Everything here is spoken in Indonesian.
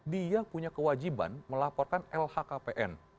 dia punya kewajiban melaporkan lhkpn